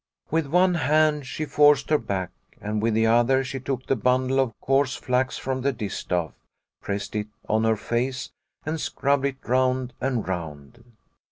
With one hand she forced her back, and with the other she took the bundle of coarse flax from the distaff, pressed it on her face, and scrubbed it round and round.